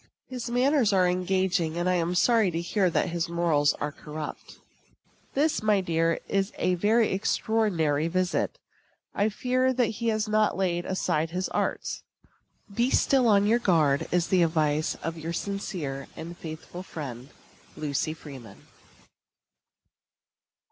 His manners are engaging, and I am sorry to hear that his morals are corrupt." This, my dear, is a very extraordinary visit. I fear that he has not yet laid aside his arts. Be still on your guard, is the advice of your sincere and faithful friend, LUCY FREEMAN.